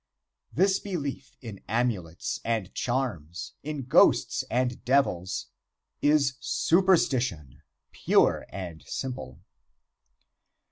This belief in amulets and charms, in ghosts and devils, is superstition, pure and simple.